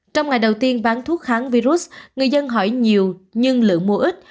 trong ngày đầu tiên bán thuốc kháng virus người dân hỏi nhiều nhưng lượng mua ít